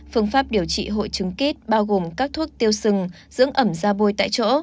phương pháp điều trị hội chứng kít bao gồm các thuốc tiêu sừng dưỡng ẩm ra bôi tại chỗ